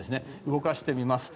動かしてみます。